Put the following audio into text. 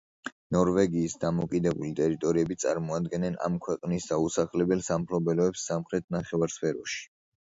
ნორვეგიის დამოკიდებული ტერიტორიები წარმოადგენენ ამ ქვეყნის დაუსახლებელ სამფლობელოებს სამხრეთ ნახევარსფეროში.